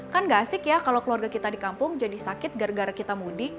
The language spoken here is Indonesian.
kan gak asik ya kalau keluarga kita di kampung jadi sakit gara gara kita mudik